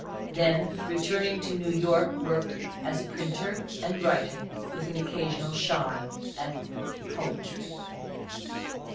Then, returning to New York, worked as printer and writer, (with an occasional shy at "poetry.")